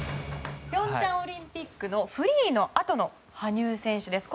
平昌オリンピックのフリーのあとの羽生選手です。